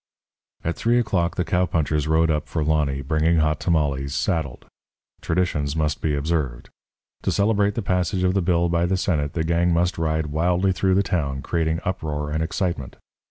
At three o'clock the cowpunchers rode up for Lonny, bringing Hot Tamales, saddled. Traditions must be observed. To celebrate the passage of the bill by the Senate the gang must ride wildly through the town, creating uproar and excitement.